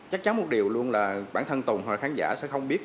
chắc chắn một điều luôn là bản thân tùng hoặc khán giả sẽ không biết